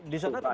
di sana tempat